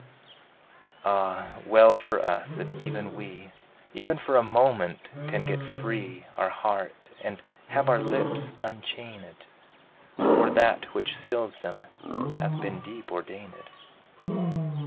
Ah! well for us, if even we, Even for a moment, can get free Our heart, and have our lips unchained; For that which seals them hath been deep ordained!